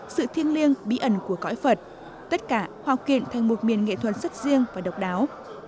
sự thiêng liêng bí ẩn của cõi phật tất cả hòa kiện thành một miền nghệ thuật rất riêng và độc đáo